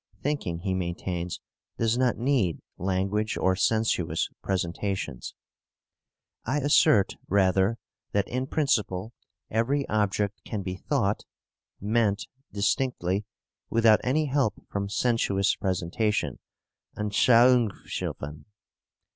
Thinking, he maintains, does not need language or sensuous presentations. "I assert rather that in principle every object can be thought (meant) distinctly, without any help from sensuous presentation (Anschauungshilfen).